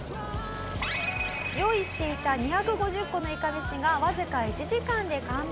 用意していた２５０個のいかめしがわずか１時間で完売。